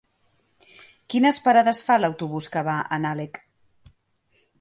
Quines parades fa l'autobús que va a Nalec?